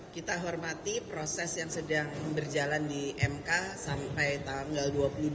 kita hormati proses yang sedang berjalan di mk sampai tanggal dua puluh dua